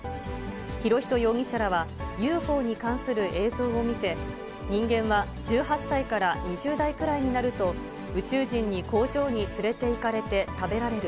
博仁容疑者らは、ＵＦＯに関する映像を見せ、人間は１８歳から２０代くらいになると、宇宙人に工場に連れていかれて食べられる。